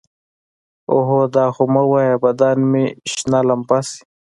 اوهو دا خو مه وايه بدن مې شنه لمبه شي.